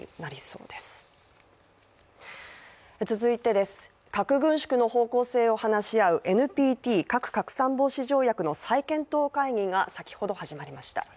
続いて、核軍縮の方向性を話し合うＮＰＴ＝核不拡散条約の再検討会議が先ほど始まりました。